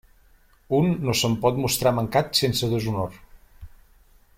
Un no se'n pot mostrar mancat sense deshonor.